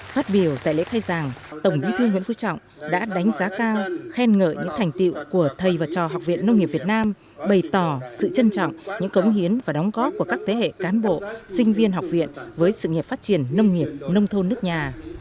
phát biểu tại lễ khai giảng tổng bí thư nguyễn phú trọng đã đánh giá cao khen ngợi những thành tiệu của thầy và trò học viện nông nghiệp việt nam bày tỏ sự trân trọng những cống hiến và đóng góp của các thế hệ cán bộ sinh viên học viện với sự nghiệp phát triển nông nghiệp nông thôn nước nhà